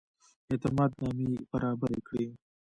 اعتماد نامې برابري کړي.